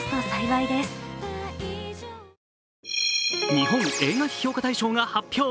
日本映画批評家大賞が発表。